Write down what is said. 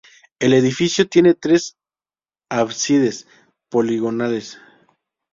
El edificio tiene tres ábsides poligonales.